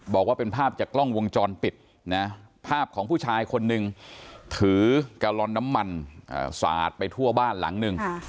บอกว่าเป็นภาพจากกล้องวงจรปิดนะภาพของผู้ชายคนหนึ่งถือกาลอนน้ำมันสาดไปทั่วบ้านหลังหนึ่ง